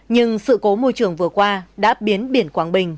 nhưng sự cố môi trường vừa qua đã biến biển quảng bình